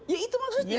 ya itu maksudnya kan